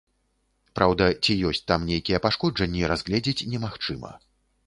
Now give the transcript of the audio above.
Праўда, ці ёсць там нейкія пашкоджанні, разгледзець немагчыма.